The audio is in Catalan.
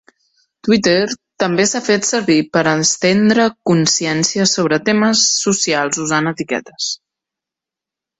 Twitter també s'ha fet servir per estendre consciència sobre temes socials usant etiquetes.